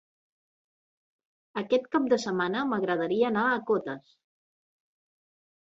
Aquest cap de setmana m'agradaria anar a Cotes.